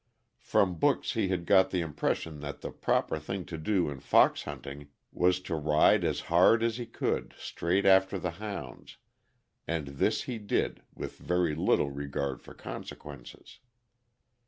From books he had got the impression that the proper thing to do in fox hunting was to ride as hard as he could straight after the hounds, and this he did with very little regard for consequences.